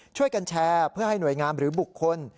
ช่วยกันแชร์เพื่อให้หน่วยงามหรือบุคคล